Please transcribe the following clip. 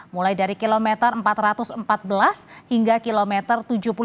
mulai dari kilometer empat ratus empat belas hingga kilometer tujuh puluh lima